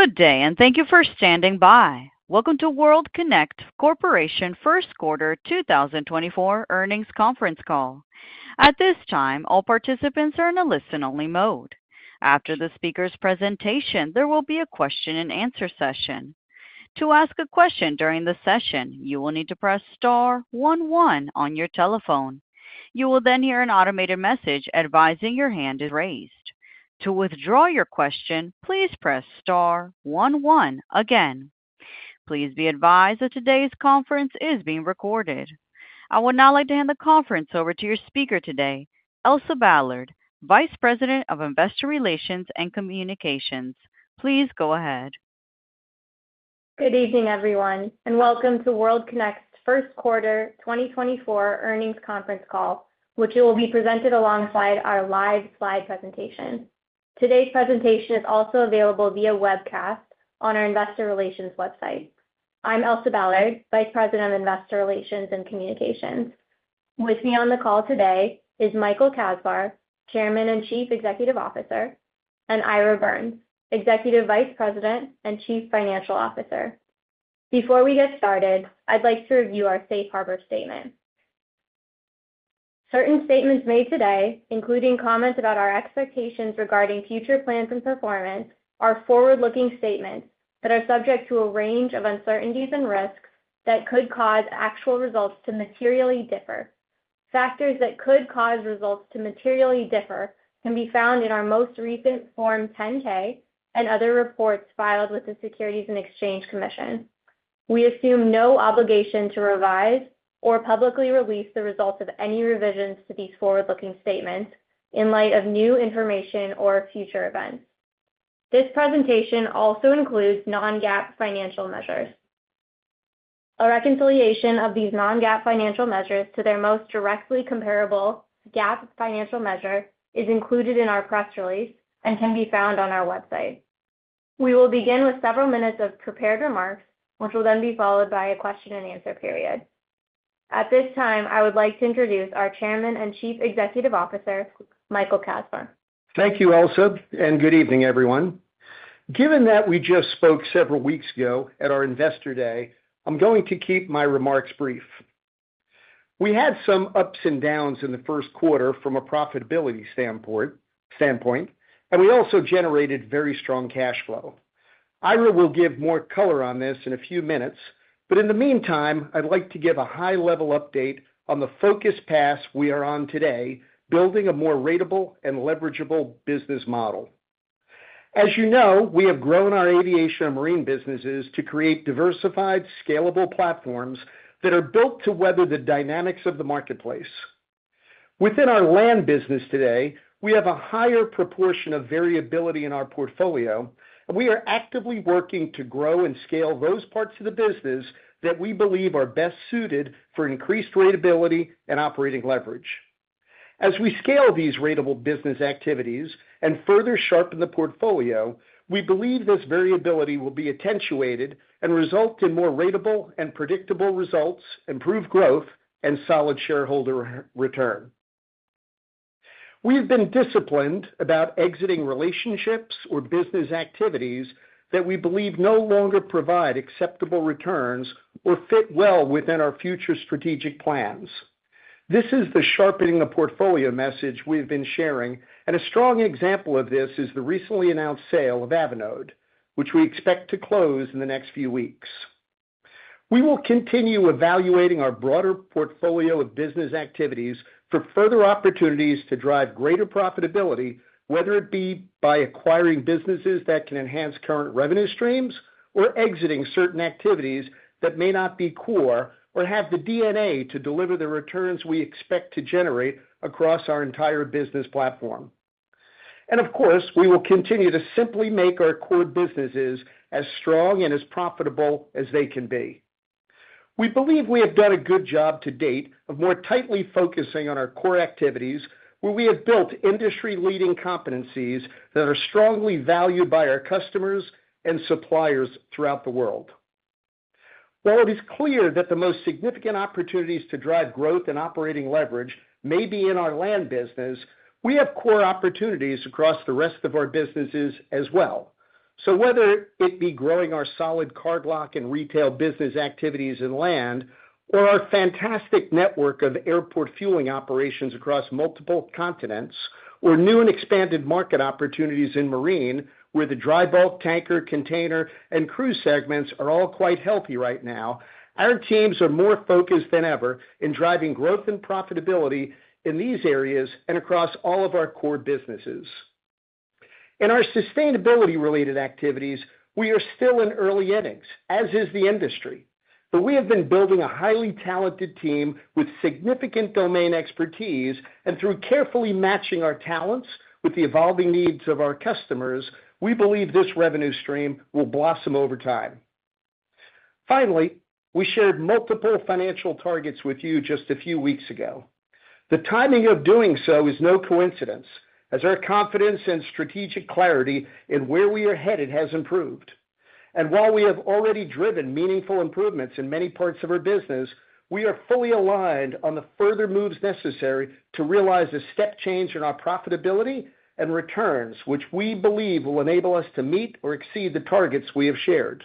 Good day, and thank you for standing by. Welcome to World Kinect Corporation first quarter 2024 earnings conference call. At this time, all participants are in a listen-only mode. After the speaker's presentation, there will be a question-and-answer session. To ask a question during the session, you will need to press star one one on your telephone. You will then hear an automated message advising your hand is raised. To withdraw your question, please press star one one again. Please be advised that today's conference is being recorded. I would now like to hand the conference over to your speaker today, Elsa Ballard, Vice President of Investor Relations and Communications. Please go ahead. Good evening, everyone, and welcome to World Kinect's first quarter 2024 earnings conference call, which will be presented alongside our live slide presentation. Today's presentation is also available via webcast on our Investor Relations website. I'm Elsa Ballard, Vice President of Investor Relations and Communications. With me on the call today is Michael Kasbar, Chairman and Chief Executive Officer, and Ira Birns, Executive Vice President and Chief Financial Officer. Before we get started, I'd like to review our Safe Harbor Statement. Certain statements made today, including comments about our expectations regarding future plans and performance, are forward-looking statements that are subject to a range of uncertainties and risks that could cause actual results to materially differ. Factors that could cause results to materially differ can be found in our most recent Form 10-K and other reports filed with the Securities and Exchange Commission. We assume no obligation to revise or publicly release the results of any revisions to these forward-looking statements in light of new information or future events. This presentation also includes non-GAAP financial measures. A reconciliation of these non-GAAP financial measures to their most directly comparable GAAP financial measure is included in our press release and can be found on our website. We will begin with several minutes of prepared remarks, which will then be followed by a question-and-answer period. At this time, I would like to introduce our Chairman and Chief Executive Officer, Michael Kasbar. Thank you, Elsa, and good evening, everyone. Given that we just spoke several weeks ago at our Investor Day, I'm going to keep my remarks brief. We had some ups and downs in the first quarter from a profitability standpoint, and we also generated very strong cash flow. Ira will give more color on this in a few minutes, but in the meantime, I'd like to give a high-level update on the focus path we are on today building a more ratable and leverageable business model. As you know, we have grown our Aviation and Marine businesses to create diversified, scalable platforms that are built to weather the dynamics of the marketplace. Within our Land business today, we have a higher proportion of variability in our portfolio, and we are actively working to grow and scale those parts of the business that we believe are best suited for increased ratability and operating leverage. As we scale these ratable business activities and further sharpen the portfolio, we believe this variability will be accentuated and result in more ratable and predictable results, improved growth, and solid shareholder return. We've been disciplined about exiting relationships or business activities that we believe no longer provide acceptable returns or fit well within our future strategic plans. This is the sharpening of portfolio message we've been sharing, and a strong example of this is the recently announced sale of Avinode, which we expect to close in the next few weeks. We will continue evaluating our broader portfolio of business activities for further opportunities to drive greater profitability, whether it be by acquiring businesses that can enhance current revenue streams or exiting certain activities that may not be core or have the DNA to deliver the returns we expect to generate across our entire business platform. Of course, we will continue to simply make our core businesses as strong and as profitable as they can be. We believe we have done a good job to date of more tightly focusing on our core activities, where we have built industry-leading competencies that are strongly valued by our customers and suppliers throughout the world. While it is clear that the most significant opportunities to drive growth and operating leverage may be in our Land business, we have core opportunities across the rest of our businesses as well. Whether it be growing our solid Cardlock and retail business activities in land, or our fantastic network of airport fueling operations across multiple continents, or new and expanded market opportunities in marine, where the Dry bulk, Tanker, Container, and Cruise segments are all quite healthy right now, our teams are more focused than ever in driving growth and profitability in these areas and across all of our core businesses. In our sustainability-related activities, we are still in early innings, as is the industry. But we have been building a highly talented team with significant domain expertise, and through carefully matching our talents with the evolving needs of our customers, we believe this revenue stream will blossom over time. Finally, we shared multiple financial targets with you just a few weeks ago. The timing of doing so is no coincidence, as our confidence and strategic clarity in where we are headed has improved. And while we have already driven meaningful improvements in many parts of our business, we are fully aligned on the further moves necessary to realize a step change in our profitability and returns, which we believe will enable us to meet or exceed the targets we have shared.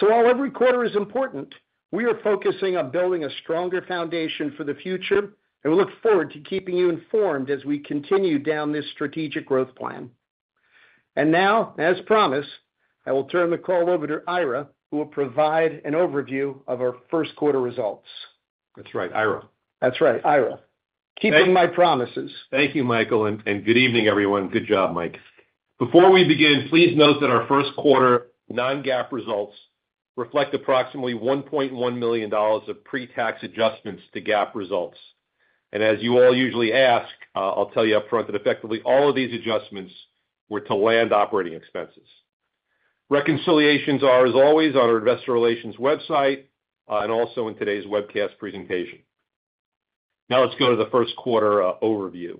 So while every quarter is important, we are focusing on building a stronger foundation for the future, and we look forward to keeping you informed as we continue down this strategic growth plan. And now, as promised, I will turn the call over to Ira, who will provide an overview of our first quarter results. That's right, Ira. That's right, Ira. Keeping my promises. Thank you, Michael, and good evening, everyone. Good job, Mike. Before we begin, please note that our first quarter non-GAAP results reflect approximately $1.1 million of pre-tax adjustments to GAAP results. As you all usually ask, I'll tell you upfront that effectively all of these adjustments were to land operating expenses. Reconciliations are, as always, on our Investor Relations website and also in today's webcast presentation. Now let's go to the first quarter overview.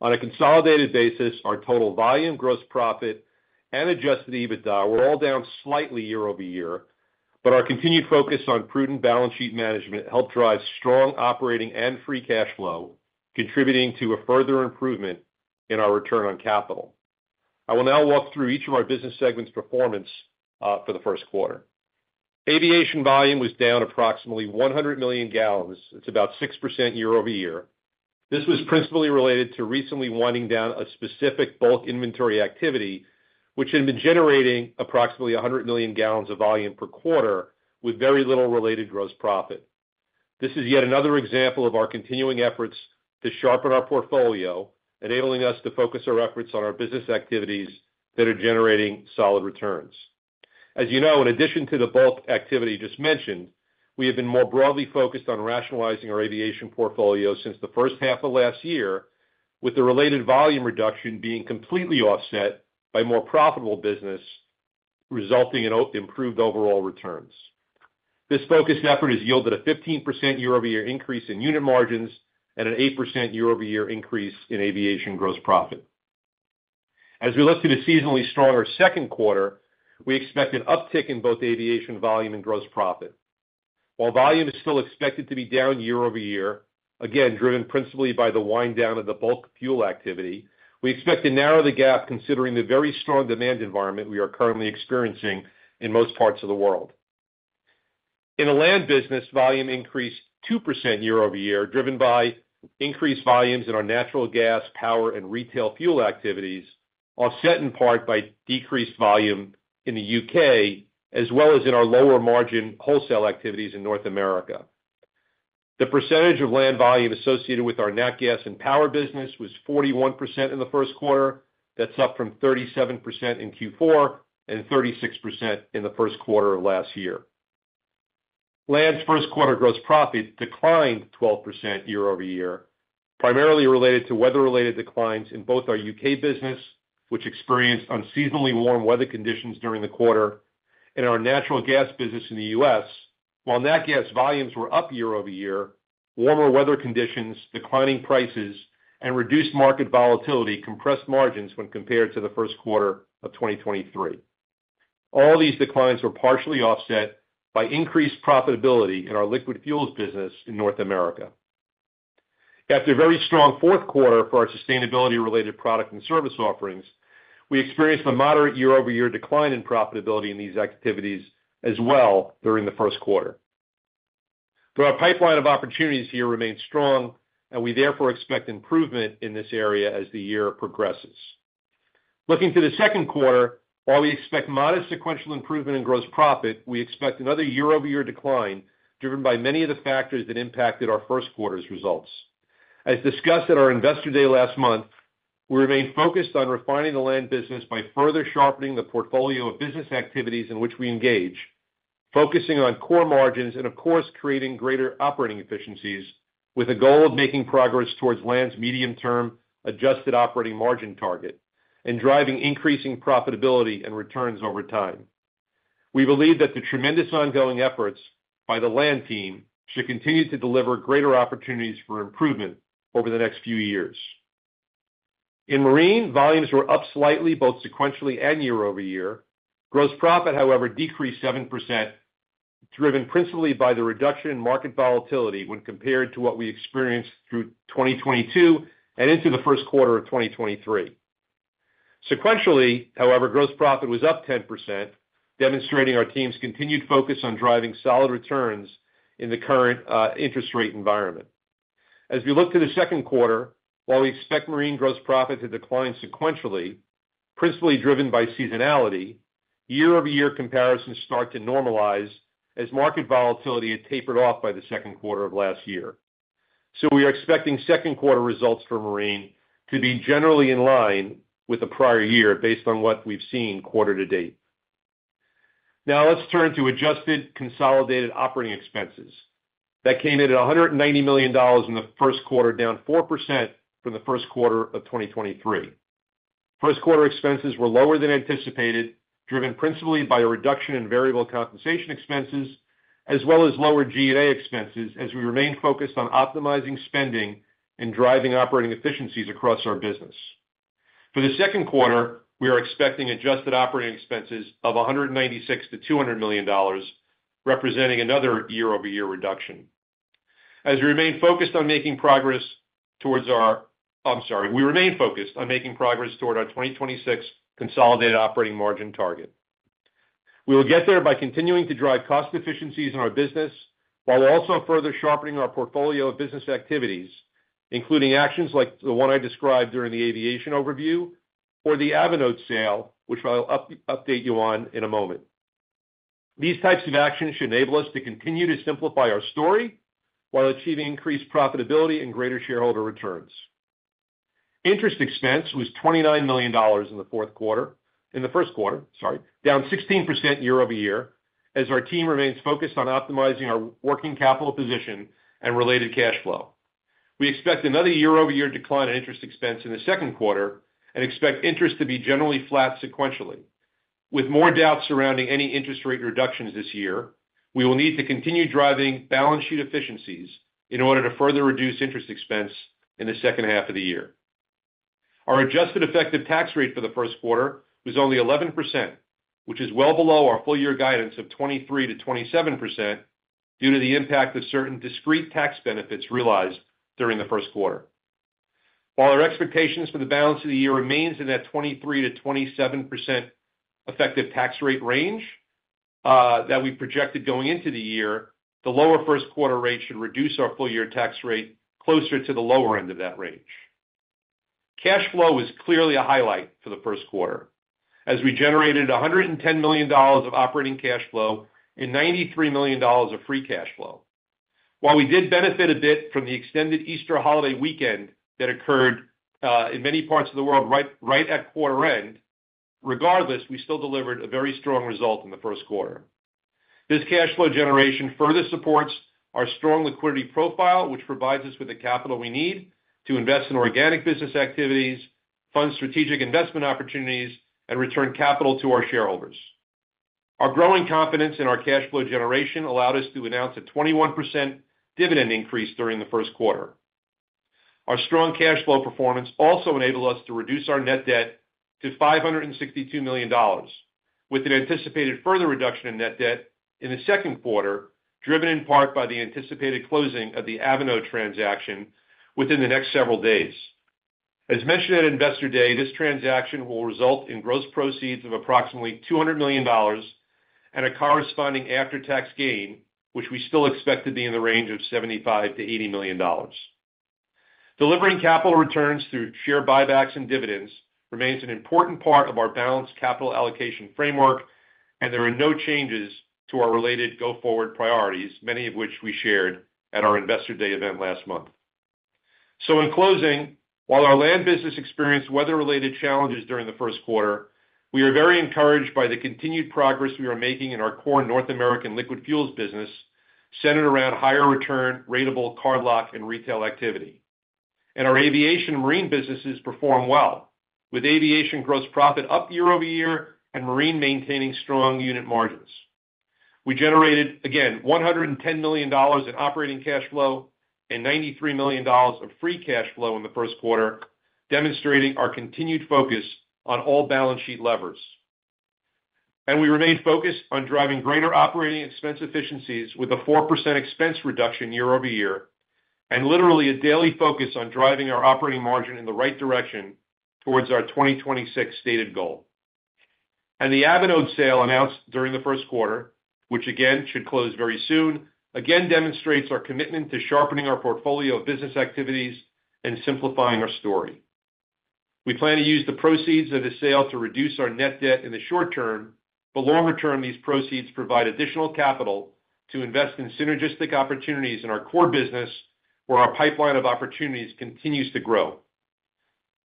On a consolidated basis, our total volume, gross profit, and Adjusted EBITDA were all down slightly year-over-year, but our continued focus on prudent balance sheet management helped drive strong operating and free cash flow, contributing to a further improvement in our Return on Capital. I will now walk through each of our business segments' performance for the first quarter. Aviation volume was down approximately 100 million gallons. It's about 6% year-over-year. This was principally related to recently winding down a specific bulk inventory activity, which had been generating approximately 100 million gallons of volume per quarter with very little related gross profit. This is yet another example of our continuing efforts to sharpen our portfolio, enabling us to focus our efforts on our business activities that are generating solid returns. As you know, in addition to the bulk activity just mentioned, we have been more broadly focused on rationalizing our aviation portfolio since the first half of last year, with the related volume reduction being completely offset by more profitable business, resulting in improved overall returns. This focused effort has yielded a 15% year-over-year increase in unit margins and an 8% year-over-year increase in aviation gross profit. As we look to the seasonally stronger second quarter, we expect an uptick in both aviation volume and gross profit. While volume is still expected to be down year-over-year, again driven principally by the wind down of the bulk fuel activity, we expect to narrow the gap considering the very strong demand environment we are currently experiencing in most parts of the world. In the Land business, volume increased 2% year-over-year, driven by increased volumes in our natural gas, power, and retail fuel activities, offset in part by decreased volume in the U.K. as well as in our lower margin wholesale activities in North America. The percentage of land volume associated with our Natural Gas and Power business was 41% in the first quarter. That's up from 37% in Q4 and 36% in the first quarter of last year. Land's first quarter gross profit declined 12% year-over-year, primarily related to weather-related declines in both our U.K. business, which experienced unseasonably warm weather conditions during the quarter, and our Natural Gas business in the U.S. While natural gas volumes were up year-over-year, warmer weather conditions, declining prices, and reduced market volatility compressed margins when compared to the first quarter of 2023. All these declines were partially offset by increased profitability in our Liquid Fuels business in North America. After a very strong fourth quarter for our sustainability-related product and service offerings, we experienced a moderate year-over-year decline in profitability in these activities as well during the first quarter. But our pipeline of opportunities here remains strong, and we therefore expect improvement in this area as the year progresses. Looking to the second quarter, while we expect modest sequential improvement in gross profit, we expect another year-over-year decline driven by many of the factors that impacted our first quarter's results. As discussed at our Investor Day last month, we remain focused on refining the Land business by further sharpening the portfolio of business activities in which we engage, focusing on core margins, and of course, creating greater operating efficiencies with a goal of making progress towards land's medium-term adjusted operating margin target and driving increasing profitability and returns over time. We believe that the tremendous ongoing efforts by the land team should continue to deliver greater opportunities for improvement over the next few years. In marine, volumes were up slightly, both sequentially and year-over-year. Gross profit, however, decreased 7%, driven principally by the reduction in market volatility when compared to what we experienced through 2022 and into the first quarter of 2023. Sequentially, however, gross profit was up 10%, demonstrating our team's continued focus on driving solid returns in the current interest rate environment. As we look to the second quarter, while we expect marine gross profit to decline sequentially, principally driven by seasonality, year-over-year comparisons start to normalize as market volatility had tapered off by the second quarter of last year. So we are expecting second quarter results for marine to be generally in line with the prior year based on what we've seen quarter to date. Now let's turn to adjusted consolidated operating expenses. That came in at $190 million in the first quarter, down 4% from the first quarter of 2023. First quarter expenses were lower than anticipated, driven principally by a reduction in variable compensation expenses as well as lower G&A expenses as we remain focused on optimizing spending and driving operating efficiencies across our business. For the second quarter, we are expecting adjusted operating expenses of $196 million-$200 million, representing another year-over-year reduction. As we remain focused on making progress toward our I'm sorry, we remain focused on making progress toward our 2026 consolidated operating margin target. We will get there by continuing to drive cost efficiencies in our business while also further sharpening our portfolio of business activities, including actions like the one I described during the aviation overview or the Avinode sale, which I'll update you on in a moment. These types of actions should enable us to continue to simplify our story while achieving increased profitability and greater shareholder returns. Interest expense was $29 million in the fourth quarter in the first quarter, sorry, down 16% year-over-year as our team remains focused on optimizing our working capital position and related cash flow. We expect another year-over-year decline in interest expense in the second quarter and expect interest to be generally flat sequentially. With more doubts surrounding any interest rate reductions this year, we will need to continue driving balance sheet efficiencies in order to further reduce interest expense in the second half of the year. Our adjusted effective tax rate for the first quarter was only 11%, which is well below our full year guidance of 23%-27% due to the impact of certain discrete tax benefits realized during the first quarter. While our expectations for the balance of the year remain in that 23%-27% effective tax rate range that we projected going into the year, the lower first quarter rate should reduce our full year tax rate closer to the lower end of that range. Cash flow was clearly a highlight for the first quarter as we generated $110 million of operating cash flow and $93 million of free cash flow. While we did benefit a bit from the extended Easter holiday weekend that occurred in many parts of the world right at quarter end, regardless, we still delivered a very strong result in the first quarter. This cash flow generation further supports our strong liquidity profile, which provides us with the capital we need to invest in organic business activities, fund strategic investment opportunities, and return capital to our shareholders. Our growing confidence in our cash flow generation allowed us to announce a 21% dividend increase during the first quarter. Our strong cash flow performance also enabled us to reduce our net debt to $562 million, with an anticipated further reduction in net debt in the second quarter, driven in part by the anticipated closing of the Avinode transaction within the next several days. As mentioned at Investor Day, this transaction will result in gross proceeds of approximately $200 million and a corresponding after-tax gain, which we still expect to be in the range of $75 million-$80 million. Delivering capital returns through share buybacks and dividends remains an important part of our balanced capital allocation framework, and there are no changes to our related go-forward priorities, many of which we shared at our Investor Day event last month. So in closing, while our Land business experienced weather-related challenges during the first quarter, we are very encouraged by the continued progress we are making in our core North American Liquid Fuels business centered around higher return, ratable Cardlock, and retail activity. Our Aviation Marine businesses perform well, with aviation gross profit up year-over-year and marine maintaining strong unit margins. We generated, again, $110 million in operating cash flow and $93 million of free cash flow in the first quarter, demonstrating our continued focus on all balance sheet levers. We remain focused on driving greater operating expense efficiencies with a 4% expense reduction year-over-year and literally a daily focus on driving our operating margin in the right direction towards our 2026 stated goal. The Avinode sale announced during the first quarter, which again should close very soon, again demonstrates our commitment to sharpening our portfolio of business activities and simplifying our story. We plan to use the proceeds of the sale to reduce our net debt in the short term, but longer term, these proceeds provide additional capital to invest in synergistic opportunities in our core business where our pipeline of opportunities continues to grow.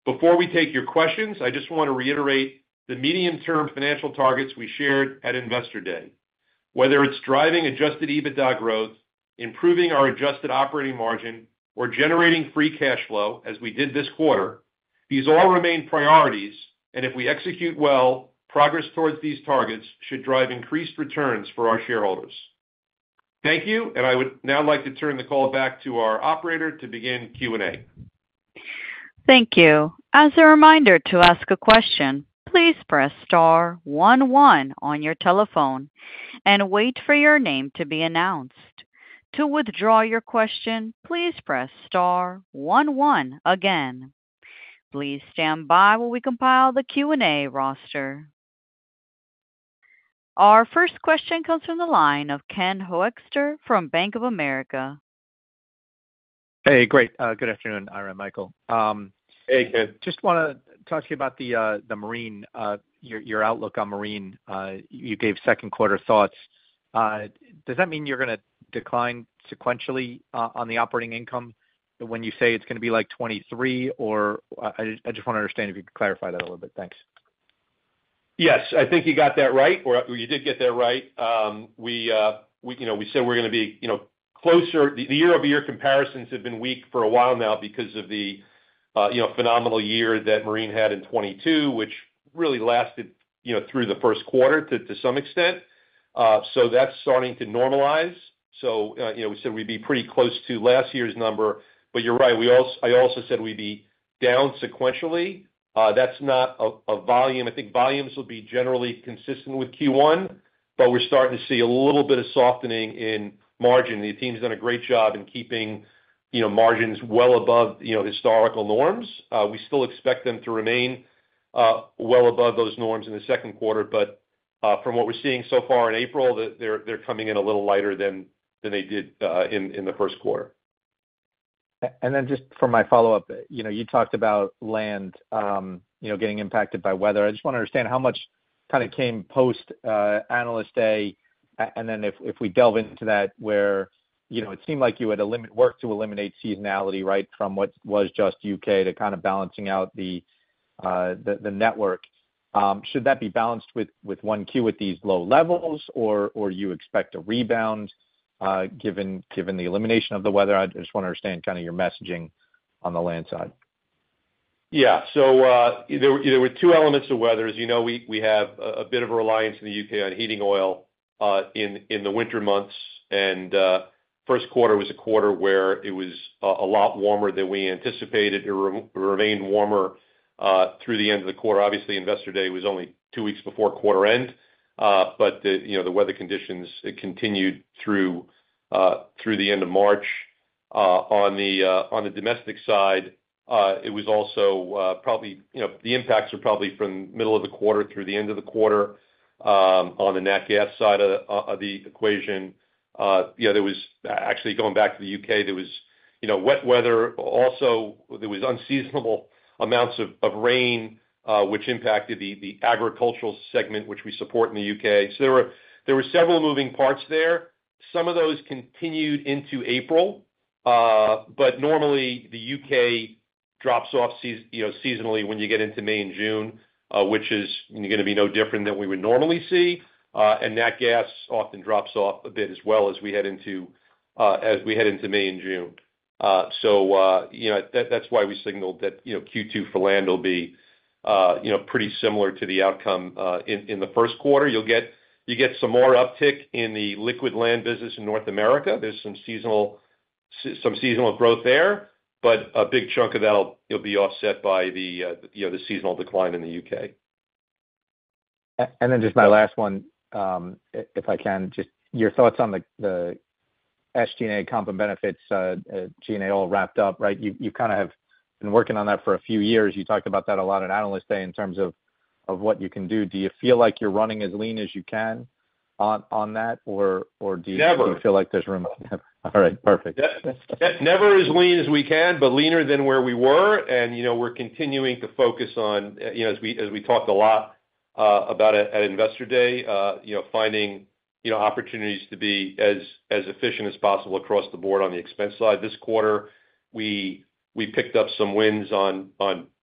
Before we take your questions, I just want to reiterate the medium-term financial targets we shared at Investor Day. Whether it's driving adjusted EBITDA growth, improving our adjusted operating margin, or generating free cash flow as we did this quarter, these all remain priorities, and if we execute well, progress towards these targets should drive increased returns for our shareholders. Thank you, and I would now like to turn the call back to our operator to begin Q&A. Thank you. As a reminder to ask a question, please press star one one on your telephone and wait for your name to be announced. To withdraw your question, please press star one one again. Please stand by while we compile the Q&A roster. Our first question comes from the line of Ken Hoexter from Bank of America. Hey, great. Good afternoon, Ira, Michael. Hey, Ken. Just want to talk to you about the marine, your outlook on marine. You gave second quarter thoughts. Does that mean you're going to decline sequentially on the operating income when you say it's going to be like $23, or I just want to understand if you could clarify that a little bit. Thanks. Yes, I think you got that right, or you did get that right. We said we're going to be closer. The year-over-year comparisons have been weak for a while now because of the phenomenal year that marine had in 2022, which really lasted through the first quarter to some extent. So that's starting to normalize. So we said we'd be pretty close to last year's number, but you're right. I also said we'd be down sequentially. That's not a volume. I think volumes will be generally consistent with Q1, but we're starting to see a little bit of softening in margin. The team's done a great job in keeping margins well above historical norms. We still expect them to remain well above those norms in the second quarter, but from what we're seeing so far in April, they're coming in a little lighter than they did in the first quarter. Then just for my follow-up, you talked about land getting impacted by weather. I just want to understand how much kind of came post Analyst Day, and then if we delve into that where it seemed like you had work to eliminate seasonality, right, from what was just UK to kind of balancing out the network. Should that be balanced with 1Q at these low levels, or do you expect a rebound given the elimination of the weather? I just want to understand kind of your messaging on the land side. Yeah. So there were two elements of weather. As you know, we have a bit of a reliance in the UK on heating oil in the winter months, and first quarter was a quarter where it was a lot warmer than we anticipated. It remained warmer through the end of the quarter. Obviously, Investor Day was only two weeks before quarter end, but the weather conditions continued through the end of March. On the domestic side, it was also probably the impacts are probably from the middle of the quarter through the end of the quarter. On the natural gas side of the equation, there was actually going back to the UK, there was wet weather. Also, there was unseasonable amounts of rain, which impacted the Agricultural segment, which we support in the UK. So there were several moving parts there. Some of those continued into April, but normally, the UK drops off seasonally when you get into May and June, which is going to be no different than we would normally see. And natural gas often drops off a bit as well as we head into May and June. So that's why we signaled that Q2 for land will be pretty similar to the outcome in the first quarter. You'll get some more uptick in the Liquid Land business in North America. There's some seasonal growth there, but a big chunk of that will be offset by the seasonal decline in the UK. And then just my last one, if I can, just your thoughts on the SG&A comp and benefits G&A all wrapped up, right? You kind of have been working on that for a few years. You talked about that a lot at Analyst Day in terms of what you can do. Do you feel like you're running as lean as you can on that, or do you feel like there's room? Never. All right. Perfect. Never as lean as we can, but leaner than where we were. We're continuing to focus on, as we talked a lot about at Investor Day, finding opportunities to be as efficient as possible across the board on the expense side. This quarter, we picked up some wins on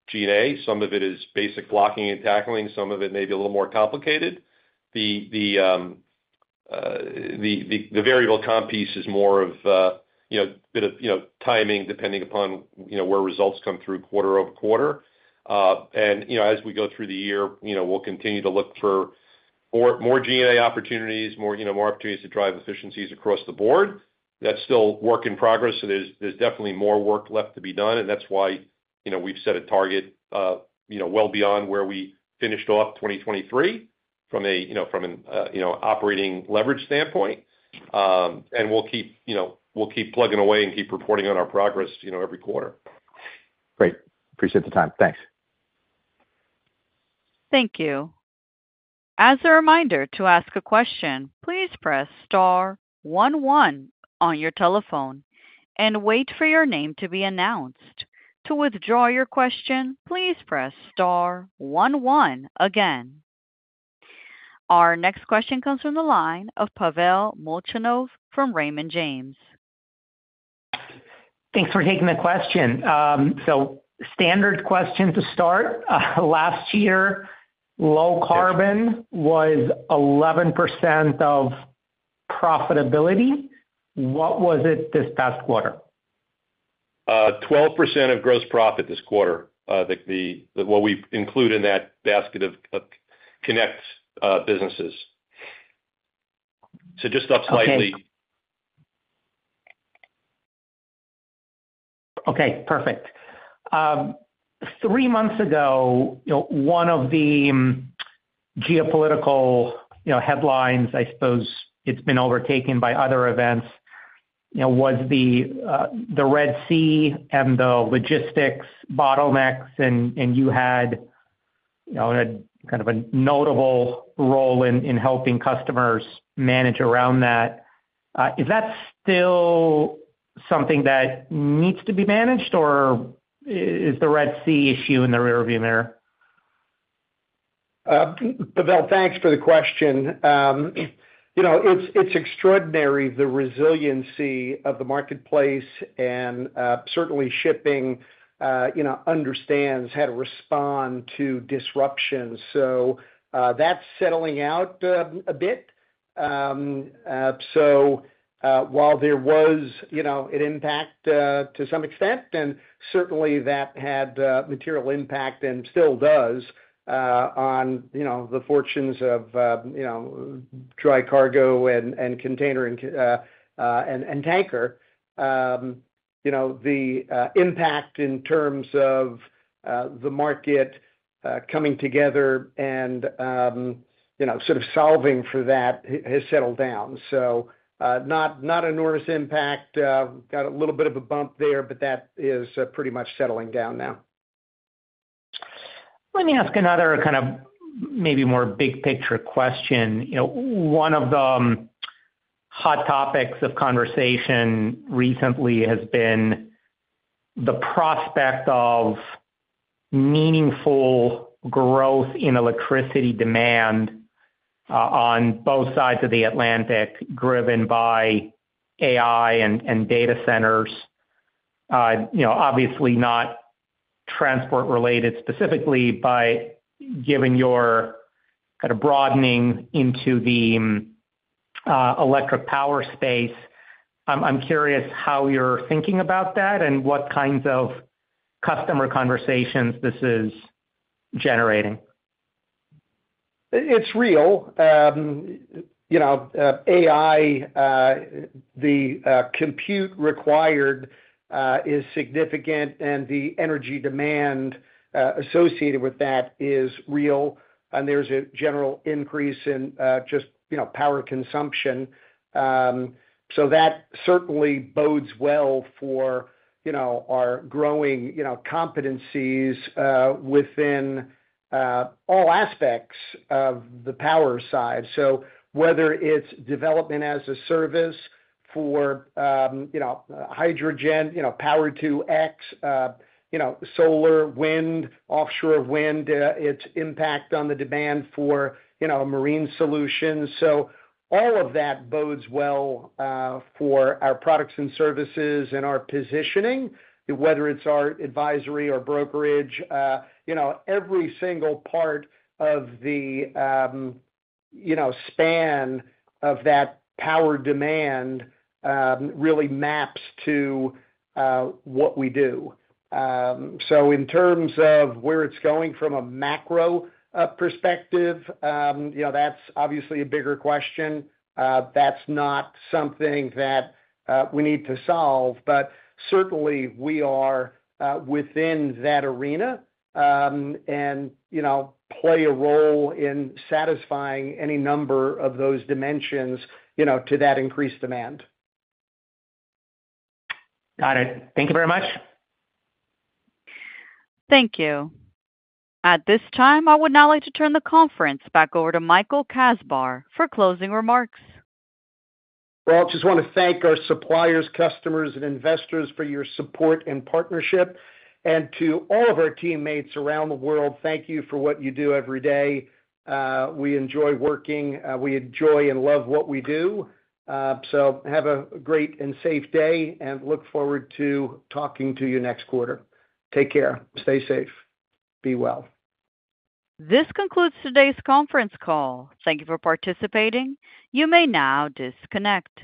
G&A. Some of it is basic blocking and tackling. Some of it may be a little more complicated. The variable comp piece is more of a bit of timing depending upon where results come through quarter-over-quarter. As we go through the year, we'll continue to look for more G&A opportunities, more opportunities to drive efficiencies across the board. That's still work in progress. So there's definitely more work left to be done, and that's why we've set a target well beyond where we finished off 2023 from an operating leverage standpoint. We'll keep plugging away and keep reporting on our progress every quarter. Great. Appreciate the time. Thanks. Thank you. As a reminder to ask a question, please press star one one on your telephone and wait for your name to be announced. To withdraw your question, please press star one one again. Our next question comes from the line of Pavel Molchanov from Raymond James. Thanks for taking the question. Standard question to start. Last year, low carbon was 11% of profitability. What was it this past quarter? 12% of gross profit this quarter, what we include in that basket of Kinect businesses. So just up slightly. Okay. Perfect. Three months ago, one of the geopolitical headlines, I suppose it's been overtaken by other events, was the Red Sea and the logistics bottlenecks, and you had kind of a notable role in helping customers manage around that. Is that still something that needs to be managed, or is the Red Sea issue in the rearview mirror? Pavel, thanks for the question. It's extraordinary, the resiliency of the marketplace, and certainly, shipping understands how to respond to disruptions. So that's settling out a bit. So while there was an impact to some extent, and certainly, that had material impact and still does on the fortunes of dry cargo and container and tanker, the impact in terms of the market coming together and sort of solving for that has settled down. So not enormous impact. Got a little bit of a bump there, but that is pretty much settling down now. Let me ask another kind of maybe more big-picture question. One of the hot topics of conversation recently has been the prospect of meaningful growth in electricity demand on both sides of the Atlantic driven by AI and data centers. Obviously, not transport-related specifically, but given your kind of broadening into the electric power space, I'm curious how you're thinking about that and what kinds of customer conversations this is generating. It's real. AI, the compute required, is significant, and the energy demand associated with that is real. There's a general increase in just power consumption. That certainly bodes well for our growing competencies within all aspects of the power side. Whether it's development as a service for hydrogen, Power-to-X, solar, wind, offshore wind, its impact on the demand for marine solutions, all of that bodes well for our products and services and our positioning, whether it's our advisory or brokerage. Every single part of the span of that power demand really maps to what we do. In terms of where it's going from a macro perspective, that's obviously a bigger question. That's not something that we need to solve, but certainly, we are within that arena and play a role in satisfying any number of those dimensions to that increased demand. Got it. Thank you very much. Thank you. At this time, I would now like to turn the conference back over to Michael Kasbar for closing remarks. Well, I just want to thank our suppliers, customers, and investors for your support and partnership. To all of our teammates around the world, thank you for what you do every day. We enjoy working. We enjoy and love what we do. So have a great and safe day, and look forward to talking to you next quarter. Take care. Stay safe. Be well. This concludes today's conference call. Thank you for participating. You may now disconnect.